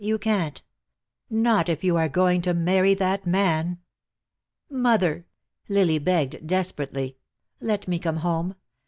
You can't. Not if you are going to marry that man." "Mother," Lily begged, desperately, "let me come home.